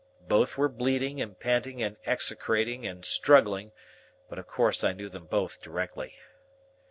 Both were bleeding and panting and execrating and struggling; but of course I knew them both directly.